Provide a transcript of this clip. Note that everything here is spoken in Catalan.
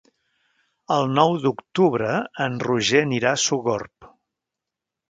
El nou d'octubre en Roger anirà a Sogorb.